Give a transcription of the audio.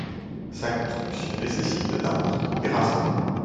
Sa construction nécessite d'importants terrassements.